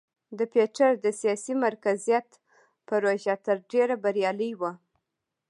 د پیټر د سیاسي مرکزیت پروژه تر ډېره بریالۍ وه.